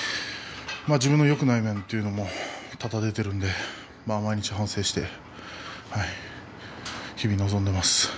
自分のよくない面というのも多々出ているので毎日、反省して日々臨んでいます。